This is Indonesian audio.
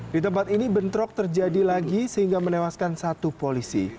di tempat ini bentrok terjadi lagi sehingga menewaskan satu polisi